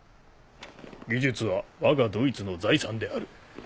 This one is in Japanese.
「技術はわがドイツの財産である」。